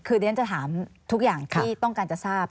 คือเดี๋ยวฉันจะถามทุกอย่างที่ต้องการจะทราบ